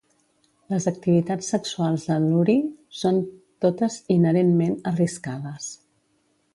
Les activitats sexuals de Lurie són totes inherentment arriscades.